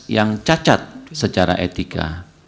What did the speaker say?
yang cacat secara etika